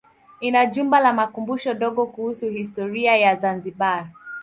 Ina jumba la makumbusho dogo kuhusu historia ya Zanzibar.